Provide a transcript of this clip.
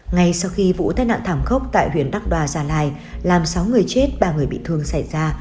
ngay sau khi vụ tai nạn thảm khốc tại huyện đắc đoa gia lai làm sáu người chết ba người bị thương xảy ra